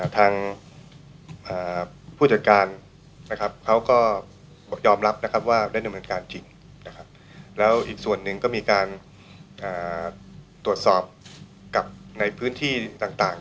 ทางผู้จัดการเขาก็ยอมรับว่าดำเนินการจริงแล้วอีกส่วนหนึ่งก็มีการตรวจสอบกับในพื้นที่ต่าง